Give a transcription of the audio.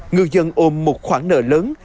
ngư dân ôm một khoản nợ lớn